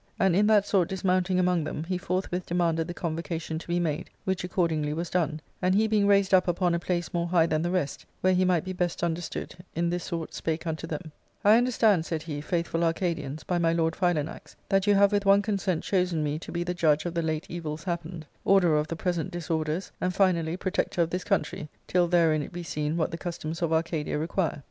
And in that sort dis mounting among them, he forthwith demanded the convo cation to be made, which accordingly was done, and he being raised up upon a place more high than the rest, where he might be best understood, in this sort spake unto them :" I understand," said he, " faithful Arcadians, by my lord Philanax, that you have with one consent chosen me to be the judge of the late evils happened, orderer of the present disorders, and finally protector of this country, till therein it be seen what the customs of Arcadia require."